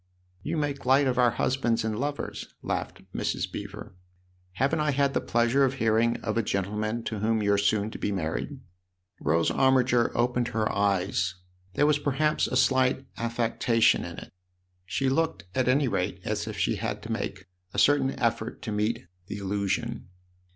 " You make light of our husbands and lovers !" laughed Mrs. Beever. " Haven't I had the pleasure of hearing of a gentleman to whom you're soon to be married ?" Rose Armiger opened her eyes there was perhaps a slight affectation in it. She looked, at any rate, as if she had to make a certain effort to meet the allusion.